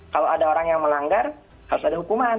kalau ada orang yang melanggar harus ada hukuman